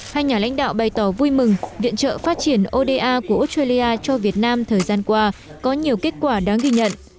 hai nhà lãnh đạo bày tỏ vui mừng viện trợ phát triển oda của australia cho việt nam thời gian qua có nhiều kết quả đáng ghi nhận